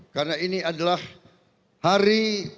karena ini adalah hari